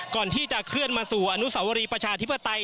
ก่อนที่จะเคลื่อนมาสู่อนุสาวรีประชาธิปไตย